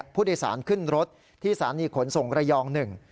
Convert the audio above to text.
ผู้โดยสารขึ้นรถที่สาริขนส่งระยอง๑